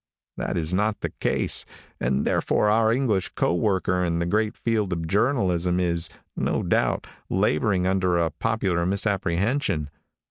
That is not the case, and therefore our English co worker in the great field of journalism is, no doubt, laboring under a popular misapprehension.